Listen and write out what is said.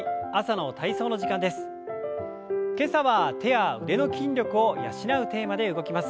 今朝は手や腕の筋力を養うテーマで動きます。